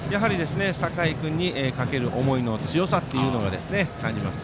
酒井君にかける思いの強さを感じます。